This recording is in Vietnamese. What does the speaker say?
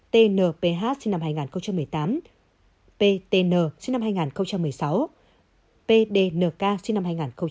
tn sinh năm hai nghìn một mươi tám ptn sinh năm hai nghìn một mươi sáu pdnk sinh năm hai nghìn một mươi bảy